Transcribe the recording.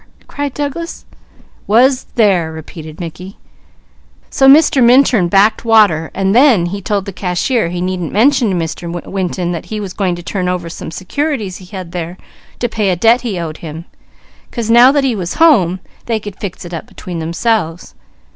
'" cried Douglas. "'Was there,'" repeated Mickey; "so Mr. Minturn backed water, and then he told the cashier he needn't mention to Mr. Winton that he was going to turn over some securities he had there to pay a debt he owed him, 'cause now that he was home, they could fix it up between themselves.